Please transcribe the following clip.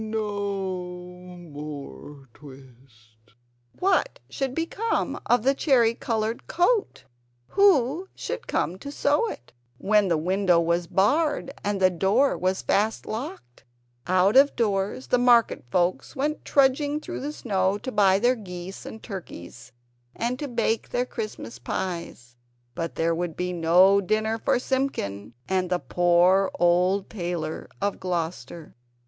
no more twist!" What should become of the cherry coloured coat? Who should come to sew it, when the window was barred, and the door was fast locked? Out of doors the market folks went trudging through the snow to buy their geese and turkeys, and to bake their Christmas pies; but there would be no dinner for Simpkin and the poor old tailor of Gloucester.